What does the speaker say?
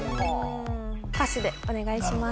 パスでお願いします